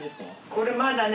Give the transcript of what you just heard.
これまだね